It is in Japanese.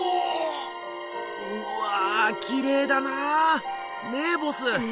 うわきれいだなねえボス？